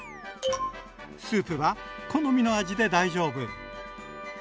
スープは好みの味で大丈夫。